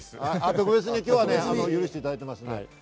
特別に今日は許していただいています。